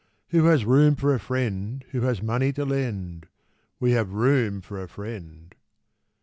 Who has room for a friend Who has money to lend? We have room for a friend!